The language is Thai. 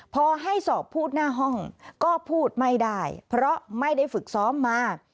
พอให้สอบพูดหน้าห้องก็พูดไม่ได้เพราะไม่ได้ฝึกซ้อมมา